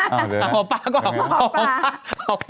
หมอป้าก็ออกมา